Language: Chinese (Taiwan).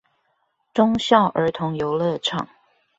忠孝兒童遊樂場